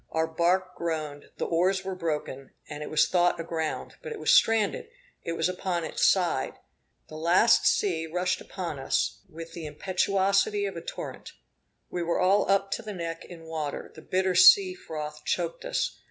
Our bark groaned, the oars were broken; it was thought aground, but it was stranded; it was upon its side. The last sea rushed upon us with the impetuosity of a torrent. We were all up to the neck in water; the bitter sea froth choked us.